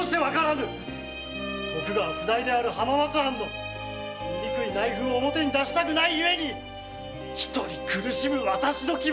徳川譜代である浜松藩の醜い内紛を表に出したくないゆえに一人苦しむ私の気持を！